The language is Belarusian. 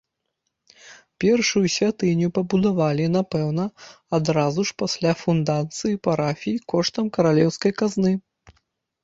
Першую святыню пабудавалі, напэўна, адразу ж пасля фундацыі парафіі коштам каралеўскай казны.